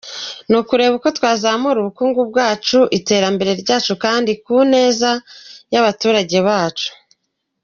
Ni ukureba uko twazamura ubukungu bwacu, iterambere ryacu, kandi ku neza y’abaturage bacu.